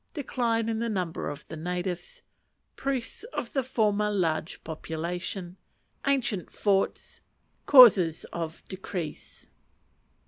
Decline in the Number of the Natives. Proofs of former large Population. Ancient Forts. Causes of Decrease.